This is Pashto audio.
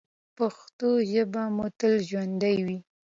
پښتو ژبه مو تل ژوندۍ وي.